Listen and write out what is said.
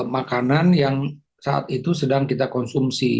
makanan yang saat itu sedang kita konsumsi